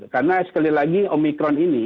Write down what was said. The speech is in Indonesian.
karena sekali lagi omikron ini